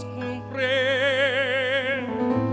โปค์เรน